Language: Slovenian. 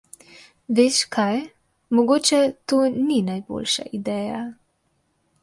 Veš kaj, mogoče to ni najboljša ideja.